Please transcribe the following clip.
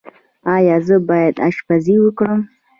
ایا زه باید اشپزي وکړم؟